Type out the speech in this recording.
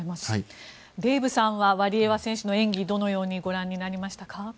デーブさんはワリエワ選手の演技をどのようにご覧になりましたか？